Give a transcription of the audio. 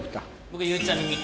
僕ゆうちゃみに。